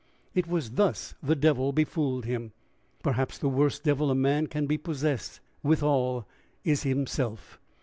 It was thus the devil befooled him. Perhaps the worst devil a man can be posessed withal, is himself.